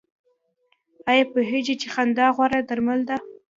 ایا پوهیږئ چې خندا غوره درمل ده؟